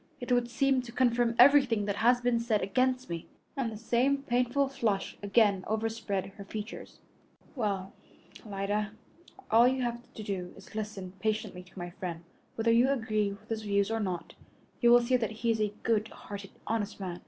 It would seem to confirm everything that has been said against me," and the same painful flush again overspread her features. "Well, Alida, all that you have to do is to listen patiently to my friend. Whether you agree with his views or not, you will see that he is a good hearted, honest man.